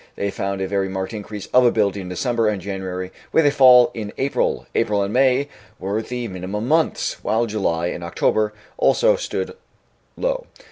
He found a very marked increase of ability in December and January, with a fall in April; April and May were the minimum months, while July and October also stood low.